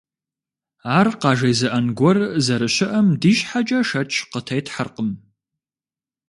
Ар къажезыӀэн гуэр зэрыщыӀэм ди щхьэкӀэ шэч къытетхьэркъым.